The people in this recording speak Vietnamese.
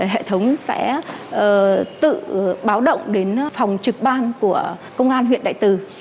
hệ thống sẽ tự báo động đến phòng trực ban của công an huyện đại từ